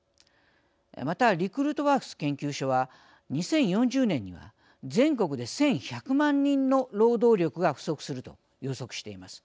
またリクルートワークス研究所は２０４０年には、全国で１１００万人の労働力が不足すると予測しています。